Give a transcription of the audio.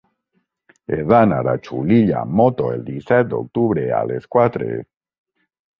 He d'anar a Xulilla amb moto el disset d'octubre a les quatre.